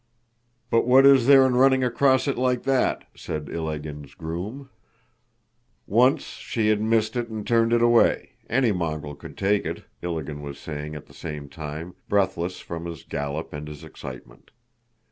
"But what is there in running across it like that?" said Ilágin's groom. "Once she had missed it and turned it away, any mongrel could take it," Ilágin was saying at the same time, breathless from his gallop and his excitement.